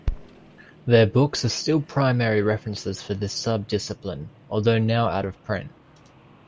Their books are still primary references for this sub-discipline, although now out of print.